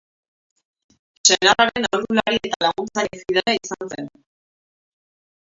Senarraren aholkulari eta laguntzaile fidela izan zen.